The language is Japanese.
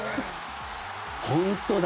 本当だ。